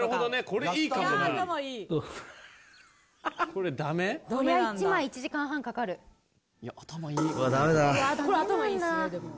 これ頭いいですねでも。